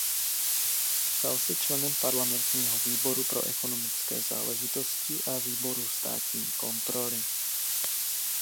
Stal se členem parlamentního výboru pro ekonomické záležitosti a výboru státní kontroly.